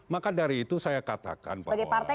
maka dari itu saya katakan bahwa sebagai partai